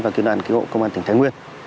và cứu đoàn cứu hộ công an tỉnh thái nguyên